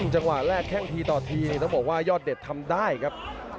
จังหวะแรกแข้งทีต่อทีนี่ต้องบอกว่ายอดเด็ดทำได้ครับ